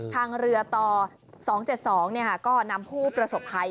ทางเรือต่อ๒๗๒ก็นำผู้ประสบภัย